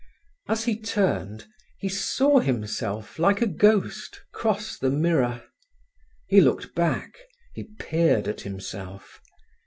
As he turned, he saw himself like a ghost cross the mirror. He looked back; he peered at himself.